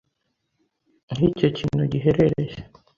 aho icyo kintu giherereye